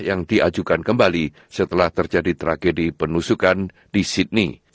yang diajukan kembali setelah terjadi tragedi penusukan di sydney